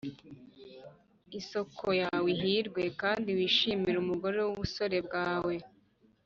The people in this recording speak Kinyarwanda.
isōko yawe ihirwe, kandi wishimire umugore w’ubusore bwawe